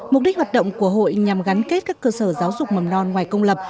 mục đích hoạt động của hội nhằm gắn kết các cơ sở giáo dục mầm non ngoài công lập